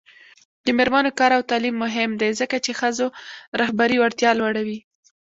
د میرمنو کار او تعلیم مهم دی ځکه چې ښځو رهبري وړتیا لوړوي